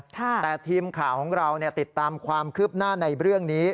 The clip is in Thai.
แต่ทีมข่าวของเราติดตามความคืบหน้าในเรื่องนี้